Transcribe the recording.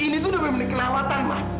ini tuh udah bener bener kelewatan mak